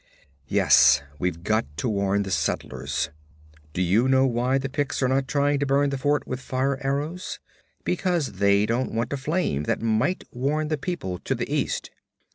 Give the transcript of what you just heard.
'Yes. We've got to warn the settlers. Do you know why the Picts are not trying to burn the fort with fire arrows? Because they don't want a flame that might warn the people to the east.